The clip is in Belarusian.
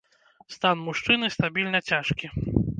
Стан мужчыны стабільна цяжкі.